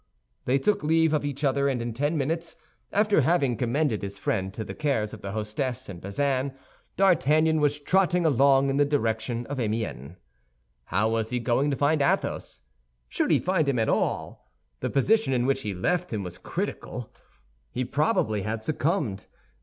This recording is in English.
They took leave of each other, and in ten minutes, after having commended his friend to the cares of the hostess and Bazin, D'Artagnan was trotting along in the direction of Amiens. How was he going to find Athos? Should he find him at all? The position in which he had left him was critical. He probably had succumbed.